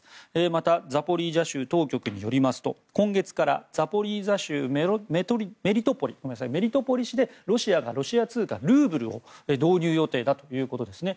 また、ザポリージャ州当局によりますと今月からザポリージャ州メリトポリ市でロシアがロシア通貨ルーブルを導入予定だということですね。